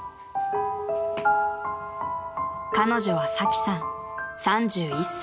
［彼女はサキさん３１歳］